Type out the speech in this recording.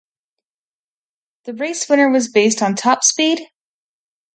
The race winner was based on top speed.